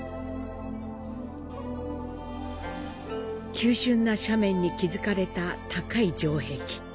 急しゅんな斜面に築かれた高い城壁。